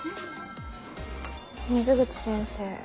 水口先生